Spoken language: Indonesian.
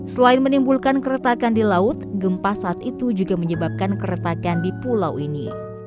selain menimbulkan keretakan di laut gempa saat itu juga menyebabkan keretakan di pulau ini